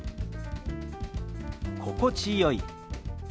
「心地よい」。